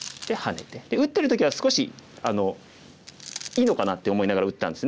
打ってる時は少しいいのかなって思いながら打ってたんですね。